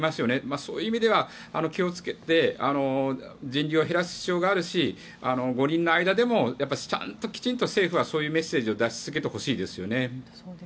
そういう意味では気をつけて人流を減らす必要があるし五輪の間でもきちんと政府はそういうメッセージを出し続けてほしいですよね。